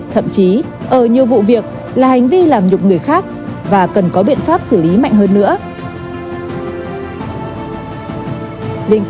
thậm chí ở nhiều vụ việc là hành vi làm nhục người khác và cần có biện pháp xử lý mạng